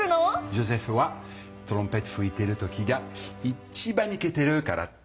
ヨーゼフはトランペット吹いてる時が一番イケてるからって。